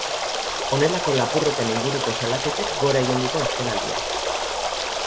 Honelako lapurreten inguruko salaketek gora egin dute azkenaldian.